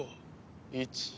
１。